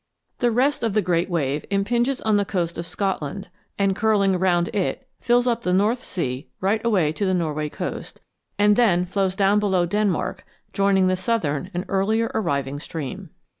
The rest of the great wave impinges on the coast of Scotland, and, curling round it, fills up the North Sea right away to the Norway coast, and then flows down below Denmark, joining the southern and earlier arriving stream.